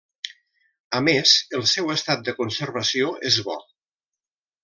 A més, el seu estat de conservació és bo.